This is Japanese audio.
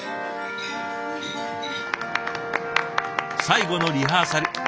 最後のリハーサル。